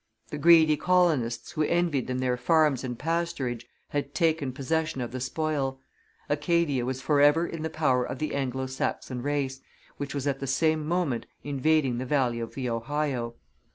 The greedy colonists, who envied them their farms and pasturage, had taken possession of the spoil; Acadia was forever in the power of the Anglo Saxon race, which was at the same moment invading the valley of the Ohio.